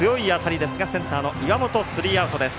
センターの岩本スリーアウトです。